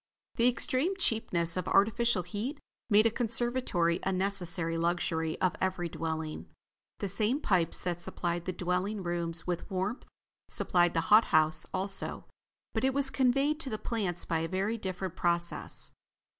The extreme cheapness of artificial heat made a conservatory a necessary luxury of every dwelling. The same pipes that supplied the dwelling rooms with warmth, supplied the hot house also, but it was conveyed to the plants by a very different process.